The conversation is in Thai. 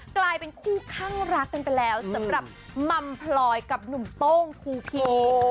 กลายเป็นคู่คั่งรักกันไปแล้วสำหรับมัมพลอยกับหนุ่มโต้งคูพี